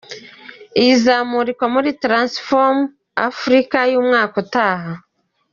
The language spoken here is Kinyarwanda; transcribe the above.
Iyi izamurikwa muri Transform Africa y’umwaka utaha.